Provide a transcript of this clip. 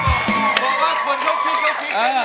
ทอดนี้เหมือนใครมาสตาร์ทก็อภัย